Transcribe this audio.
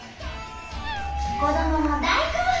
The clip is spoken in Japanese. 子どもも大興奮！